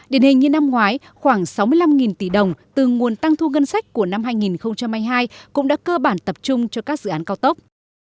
điển hình như năm ngoái khoảng sáu mươi năm tỷ đồng từ nguồn tăng thu ngân sách của năm hai nghìn hai mươi hai cũng đã cơ bản tập trung cho các dự án cao tốc